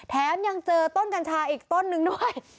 แถมยังเจอต้นกัญชาอีกต้นนึงด้วย